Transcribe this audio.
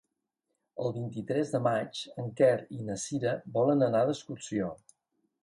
El vint-i-tres de maig en Quer i na Cira volen anar d'excursió.